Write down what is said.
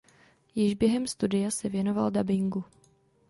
Již během studia se věnoval dabingu.